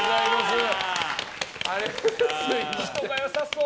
人が良さそう。